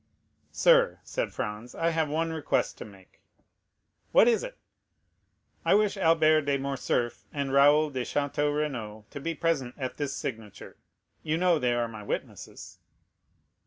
"Sir," said Franz, "I have one request to make." "What is it?" "I wish Albert de Morcerf and Raoul de Château Renaud to be present at this signature; you know they are my witnesses."